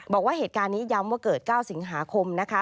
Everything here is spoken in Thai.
บอกว่าเหตุการณ์นี้ย้ำว่าเกิด๙สิงหาคมนะคะ